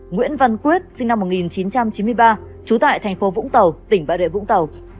nguyễn văn quyết sinh năm một nghìn chín trăm chín mươi ba trú tại thành phố vũng tàu tỉnh bà rịa vũng tàu